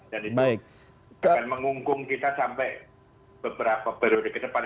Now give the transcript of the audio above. dan itu akan mengungkung kita sampai beberapa periode ke depan